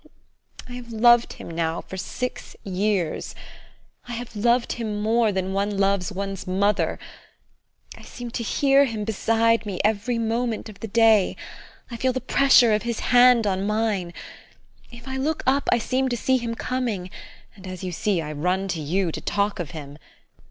I have loved him now for six years, I have loved him more than one loves one's mother. I seem to hear him beside me every moment of the day. I feel the pressure of his hand on mine. If I look up, I seem to see him coming, and as you see, I run to you to talk of him.